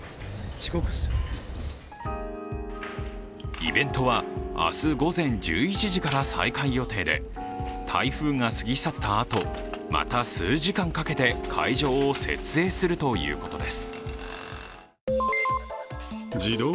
イベントは明日午前１１時から再開予定で台風が過ぎ去ったあと、また数時間かけて会場を設営するということです。